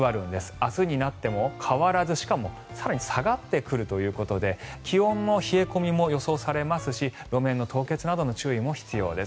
明日になっても変わらずしかも更に下がってくるということで気温も冷え込みが予想されますし路面の凍結などの注意も必要です。